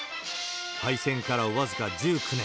敗戦から僅か１９年。